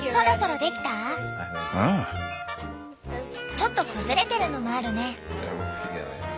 ちょっと崩れてるのもあるね。